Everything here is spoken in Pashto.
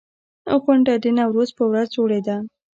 غونډه د نوروز په ورځ جوړېده.